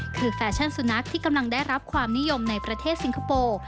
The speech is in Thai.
คือแฟชั่นสุนัขที่กำลังได้รับความนิยมในประเทศสิงคโปร์